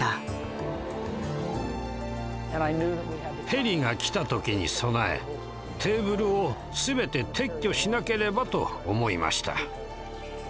ヘリが来た時に備えテーブルを全て撤去しなければと思いました。